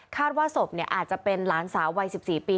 ว่าศพอาจจะเป็นหลานสาววัย๑๔ปี